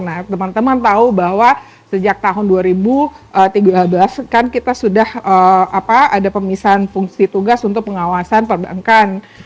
nah teman teman tahu bahwa sejak tahun dua ribu tiga belas kan kita sudah ada pemisahan fungsi tugas untuk pengawasan perbankan